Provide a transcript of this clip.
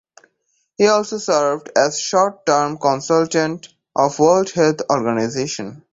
He also served as short term consultant of World Health Organization.